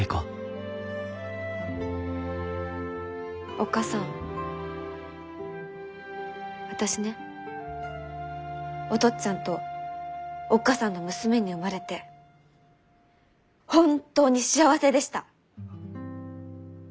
おっ母さん私ねお父っつぁんとおっ母さんの娘に生まれて本当に幸せでした！